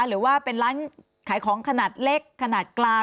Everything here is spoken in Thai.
หรือว่าเป็นร้านขายของขนาดเล็กขนาดกลาง